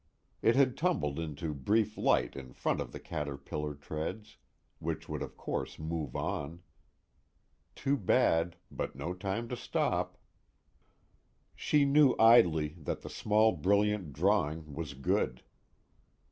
It had tumbled into brief light in front of the caterpillar treads, which would of course move on. Too bad, but no time to stop. She knew idly that the small brilliant drawing was good.